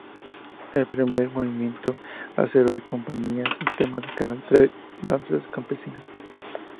El primer movimiento hace oír campanillas y temas de carácter de danzas campesinas.